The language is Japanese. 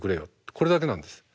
これだけなんです。